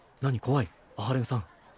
怖い阿波連さん